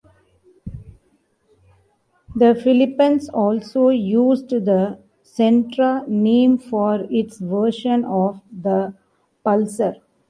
The Philippines also used the Sentra name for its version of the Pulsar.